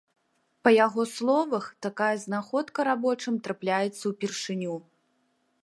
Па яго словах, такая знаходка рабочым трапляецца ўпершыню.